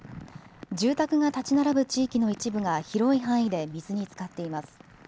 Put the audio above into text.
住宅が建ち並ぶ地域の一部が広い範囲で水につかっています。